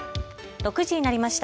６時になりました。